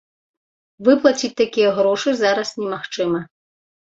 Выплаціць такія грошы зараз немагчыма.